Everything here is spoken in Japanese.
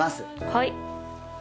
はい。